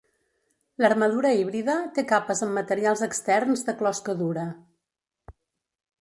L'armadura híbrida té capes amb materials externs de closca dura.